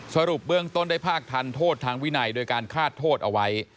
สรุปเบื้องต้นได้ภาคทันโทษทางวินัยโดยการคาดโทษเอาไว้